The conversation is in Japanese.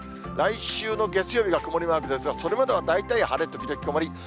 来週の月曜日は曇りマークですが、それまでは大体晴れ時々曇り。